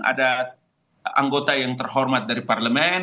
ada anggota yang terhormat dari parlemen